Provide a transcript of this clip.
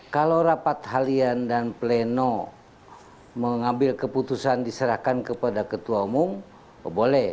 kalau rapat harian dan pleno mengambil keputusan diserahkan kepada ketua umum boleh